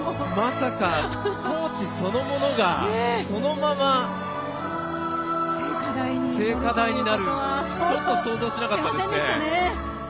まさかトーチそのものがそのまま聖火台になるとはちょっと、想像しなかったですね。